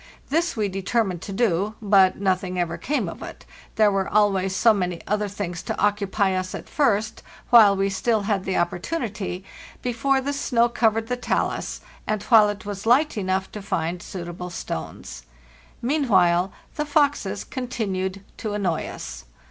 This we determined to do, but nothing ever came of it; there were always so many other things to occupy us at first, while we still had the opportunity, before the snow covered the talus, and while it was light enough to find suitable stones. Meanwhile the foxes continued to annoy us.